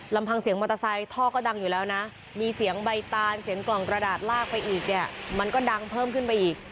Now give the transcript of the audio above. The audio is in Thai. ลำพังเสียงมอเตอร์ไซค์ท่อก็ดังอยู่แล้วนะมีเสียงใบตานเสียงกล่องกระดาษลากไปอีกเนี่ยมันก็ดังเพิ่มขึ้นไปอีก